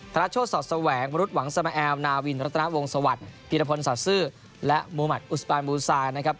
ธนาชโชศสวังมรุษหวังสมแอลนาวินรัตนาวงศวรรษพิรพลศาสือและมุมัติอุสบานบูรุษายนะครับ